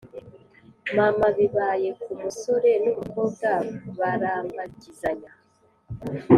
mama bibaye ku musore n’umukobwa barambagizanya